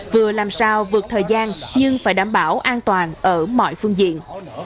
vừa làm sao vượt thời gian nhưng phải đảm bảo an toàn ở mọi phương diện